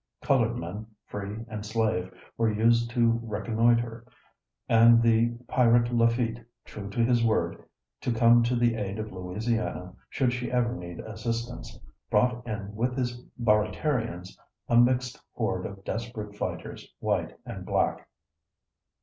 Colored men, free and slave, were used to reconnoitre, and the pirate Lafitte, true to his word, to come to the aid of Louisiana should she ever need assistance, brought in with his Baratarians a mixed horde of desperate fighters, white and black.